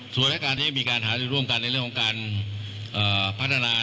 ส่วนรายการที่มีการหารือร่วมกันในเรื่องของการพัฒนา